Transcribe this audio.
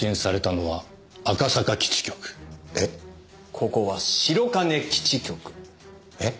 ここは白金基地局。え？